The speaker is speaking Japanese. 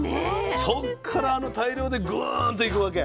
そっからあの大量でグーンといくわけ？